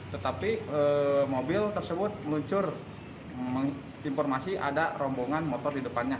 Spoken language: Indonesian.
tetapi mobil tersebut meluncur informasi ada rombongan motor di depannya